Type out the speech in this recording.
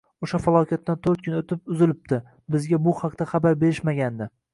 O`sha falokatdan to`rt kun o`tib, uzilibdi; bizga bu haqida xabar berishmagandi